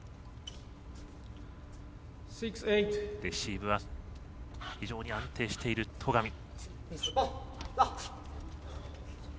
レシーブは非常に安定している戸上。